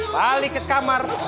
balik ke kamar